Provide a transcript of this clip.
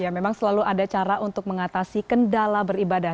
memang selalu ada cara untuk mengatasi kendala beribadah